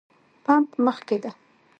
پمپ مخکې ده